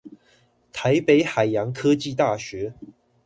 台北海洋科技大學